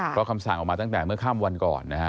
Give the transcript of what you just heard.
เพราะคำสั่งออกมาตั้งแต่เมื่อข้ามวันก่อนนะฮะ